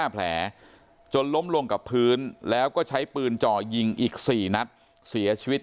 ๕แผลจนล้มลงกับพื้นแล้วก็ใช้ปืนจ่อยิงอีก๔นัดเสียชีวิต